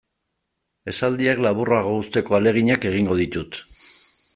Esaldiak laburrago uzteko ahaleginak egingo ditut.